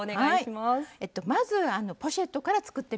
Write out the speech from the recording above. まずポシェットから作ってみて下さい。